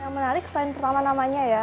menarik selain pertama namanya ya